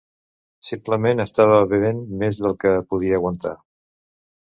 Simplement estava bevent més del que podia aguantar.